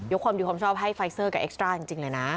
ความดีความชอบให้ไฟเซอร์กับเอ็กซ่าจริงเลยนะ